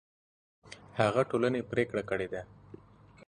هغه ټولنې پرېکړه کړې ده